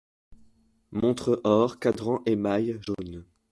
montre or, cadran émail jaune.